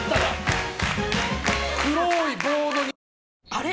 あれ？